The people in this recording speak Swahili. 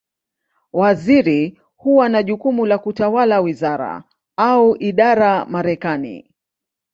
Waziri huwa na jukumu la kutawala wizara, au idara Marekani.